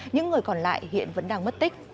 những người còn lại hiện vẫn đang mất tích